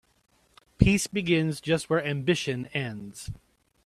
Peace begins just where ambition ends.